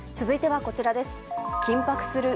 続いてはこちらです。